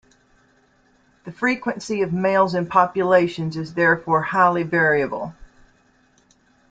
The frequency of males in populations is therefore highly variable.